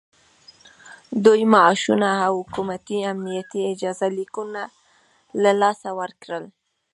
دوی معاشونه او حکومتي امنیتي اجازه لیکونه له لاسه ورکړل